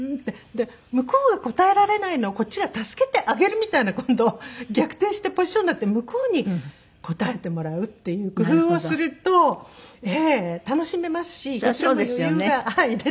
で向こうが答えられないのをこっちが助けてあげるみたいな今度逆転したポジションになって向こうに答えてもらうっていう工夫をすると楽しめますし多少の余裕が出てきますので。